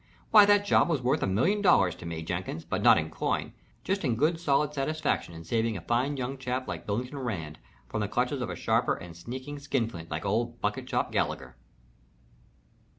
Why, that job was worth a million dollars to me, Jenkins but not in coin. Just in good solid satisfaction in saving a fine young chap like Billington Rand from the clutches of a sharper and sneaking skinflint like old Bucket shop Gallagher."